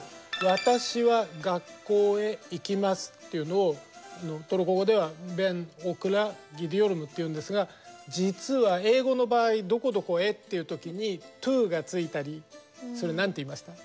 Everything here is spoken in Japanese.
「私は学校へ行きます。」っていうのをトルコ語では「Ｂｅｎｏｋｕｌａｇｉｄｉｙｏｒｕｍ．」って言うんですが実は英語の場合「どこどこへ」って言うときにｔｏがついたりそれ何て言いました？